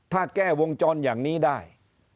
ถ้าแก้วงจรอย่างนี้ได้